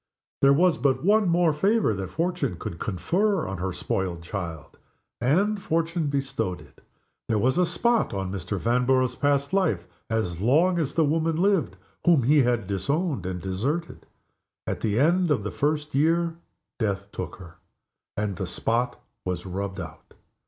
There was but one more favor that Fortune could confer on her spoiled child and Fortune bestowed it. There was a spot on Mr. Vanborough's past life as long as the woman lived whom he had disowned and deserted. At the end of the first year Death took her and the spot was rubbed out.